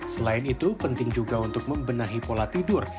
selain itu penting juga untuk membenahi pola tidur